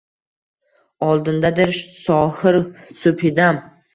Oldindadir sohir subhidam